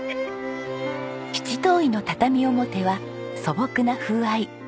七島藺の畳表は素朴な風合い。